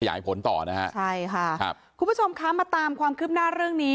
ขยายผลต่อนะฮะใช่ค่ะครับคุณผู้ชมคะมาตามความคืบหน้าเรื่องนี้